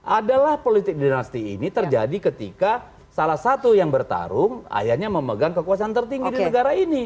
adalah politik dinasti ini terjadi ketika salah satu yang bertarung ayahnya memegang kekuasaan tertinggi di negara ini